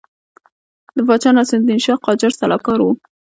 د پاچا ناصرالدین شاه قاجار سلاکار وو.